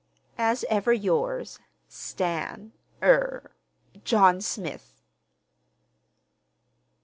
As ever yours, STAN—er—JOHN SMITH.